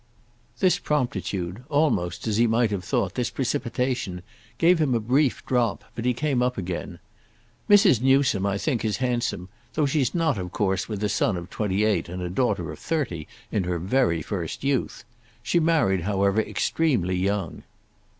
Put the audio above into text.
This promptitude—almost, as he might have thought, this precipitation, gave him a brief drop; but he came up again. "Mrs. Newsome, I think, is handsome, though she's not of course, with a son of twenty eight and a daughter of thirty, in her very first youth. She married, however, extremely young."